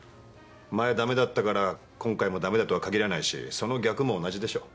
前駄目だったから今回も駄目だとは限らないしその逆も同じでしょう。